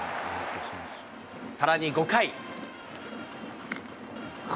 さらに５回。